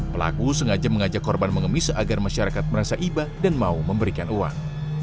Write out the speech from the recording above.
pelaku sengaja mengajak korban mengemis agar masyarakat merasa iba dan mau memberikan uang